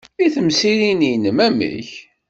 I temsirin-nnem, amek?